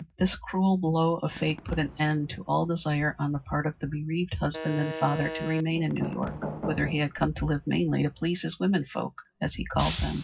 This cruel blow of fate put an end to all desire on the part of the bereaved husband and father to remain in New York, whither he had come to live mainly to please his women folk, as he called them.